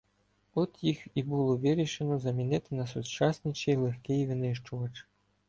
От їх і було вирішено замінити на сучасніший легкий винищувач.